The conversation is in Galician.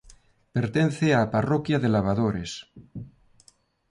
Pertence á parroquia de Lavadores.